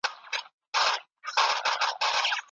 ما خپل ځان ونه پیژانده.